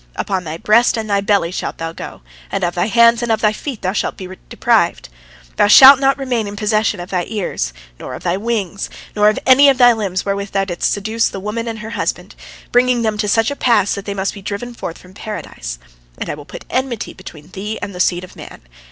Upon thy breast and thy belly shalt thou go, and of thy hands and thy feet thou shalt be deprived. Thou shalt not remain in possession of thy ears, nor of thy wings, nor of any of thy limbs wherewith thou didst seduce the woman and her husband, bringing them to such a pass that they must be driven forth from Paradise. And I will put enmity between thee and the seed of man.